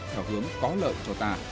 theo hướng có lợi cho ta